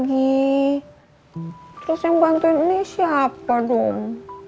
guntur mau kan pulang ke rumah tante puput sekarang